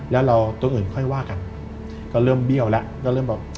แล้วเราตัวอื่นค่อยว่ากันก็เริ่มเบี้ยวแล้วก็เริ่มแบบ